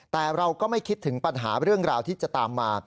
แต่เราก็ไม่คิดถึงปัญหาเรื่องราวที่จะตามมา